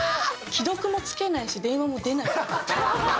既読もつけないし電話も出ない。